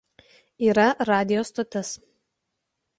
Yra radijo stotis.